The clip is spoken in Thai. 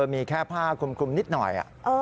มีแค่ผ้าคลุมนิดหน่อย